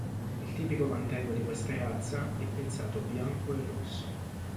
Il tipico mantello di questa razza è pezzato bianco e rosso.